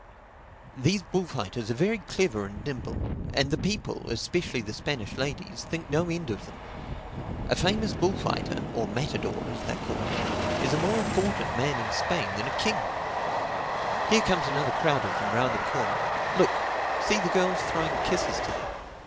These bullfighters are very clever and nimble. And the people, especially the Spanish ladies, think no end of them. A famous bullfighter (or matador, as they call them) is a more important man in Spain than a king—Here comes another crowd of them round the corner, look. See the girls throwing kisses to them.